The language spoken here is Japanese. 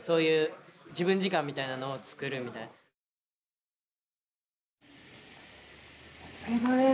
お疲れさまです。